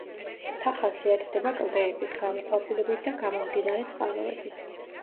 მთა ხასიათდება კლდეებით, გამოქვაბულებით და გამომდინარე წყაროებით.